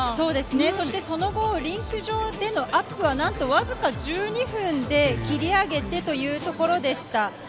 そしてリンク上でのアップは何とわずか１２分で切り上げてというところでした。